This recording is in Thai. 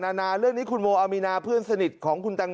นานาเรื่องนี้คุณโมอามีนาเพื่อนสนิทของคุณตังค